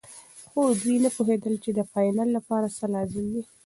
خو دوی نه پوهېدل چې د فاینل لپاره څه لازم دي.